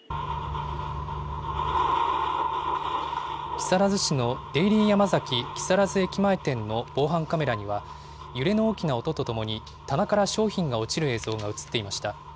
木更津市のデイリーヤマザキ木更津駅前店の防犯カメラには、揺れの大きな音とともに、棚から商品が落ちる映像が写っていました。